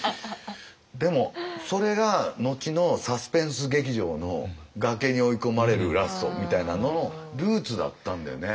でもそれが後のサスペンス劇場の崖に追い込まれるラストみたいなののルーツだったんだよね。